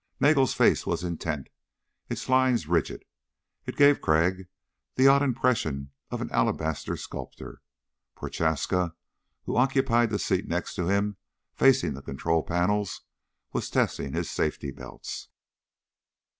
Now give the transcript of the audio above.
Nagel's face was intent, its lines rigid. It gave Crag the odd impression of an alabaster sculpture. Prochaska, who occupied the seat next to him facing the control panels, was testing his safety belts.